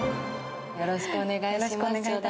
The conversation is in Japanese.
よろしくお願いします。